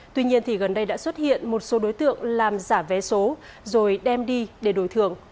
tuy nhiên thì gần đây đã xuất hiện một số đối tượng làm giả vé số rồi đem đi để đổi thưởng